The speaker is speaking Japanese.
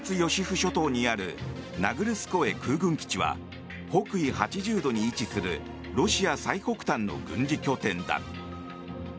諸島にあるナグルスコエ空軍基地は北緯８０度に位置するロシア最北端の軍事拠点だ。